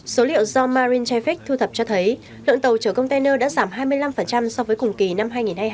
số liệu do marincheffic thu thập cho thấy lượng tàu chở container đã giảm hai mươi năm so với cùng kỳ năm hai nghìn hai mươi hai